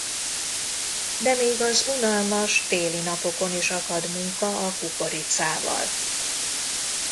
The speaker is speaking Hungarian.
De még az unalmas téli napokon is akad munka a kukoricával.